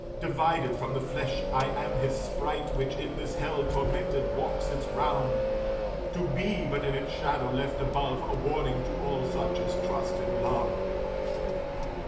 Divided from the flesh, I am his sprite, Which in this hell, tormented, walks its round, To be, but in its shadow left above, A warning to all such as trust in love."